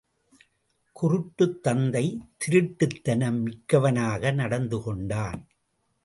குருட்டுத் தந்தை திருட்டுத்தனம் மிக்கவனாக நடந்து கொண்டான்.